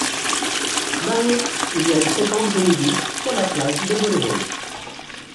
Ben oui… Il y a une séquence de nudistes sur la plage de volley-ball.